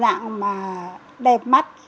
dạng mà đẹp mắt